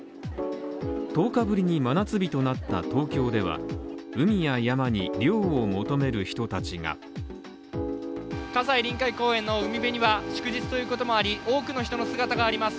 １０日ぶりに真夏日となった東京では海や山に涼を求める人たちが葛西臨海公園の海辺には、祝日ということもあり、多くの人の姿があります。